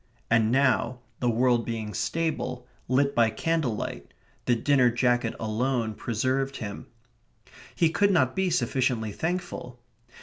And now, the world being stable, lit by candle light, the dinner jacket alone preserved him. He could not be sufficiently thankful.